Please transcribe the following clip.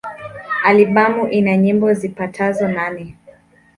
Albamu ina nyimbo zipatazo nane.